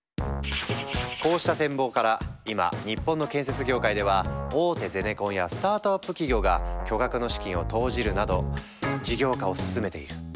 こうした展望から今日本の建設業界では大手ゼネコンやスタートアップ企業が巨額の資金を投じるなど事業化を進めている。